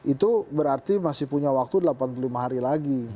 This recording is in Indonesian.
itu berarti masih punya waktu delapan puluh lima hari lagi